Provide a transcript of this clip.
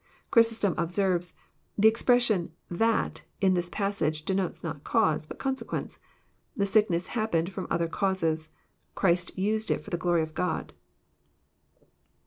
Chrysostom observes :*^ The expression t?Mt in this passage denotes not cause, but consequence. The sickness happened from other causes. Christ used it for the glory of God.'